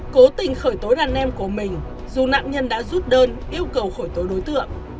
cố tình khởi tối đàn em của mình dù nạn nhân đã rút đơn yêu cầu khởi tố đối tượng